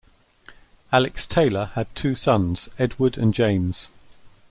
Alex Taylor had two sons, Edward and James.